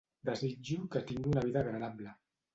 Desitjo que tinguin una vida agradable.